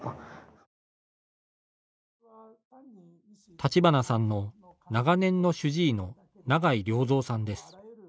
立花さんの長年の主治医の永井良三さんです。